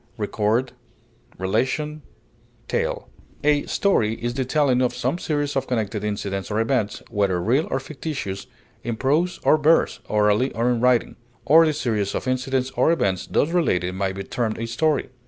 incident, narration, A story is the telling of some series of connected incidents or events, whether real or fictitious, in prose or verse, orally or in writing; or the series of incidents or events thus related may be termed a story.